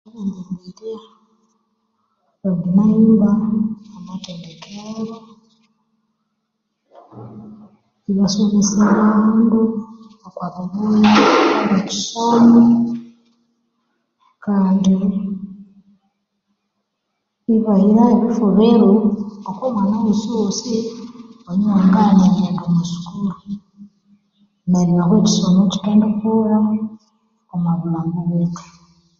Not clear, a lot of noise